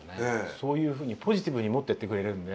そういうふうにポジティブに持ってってくれるんで。